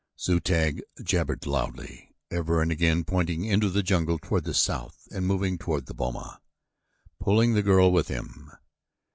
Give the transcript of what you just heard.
Zu tag jabbered loudly, ever and again pointing into the jungle toward the south and moving toward the boma, pulling the girl with him.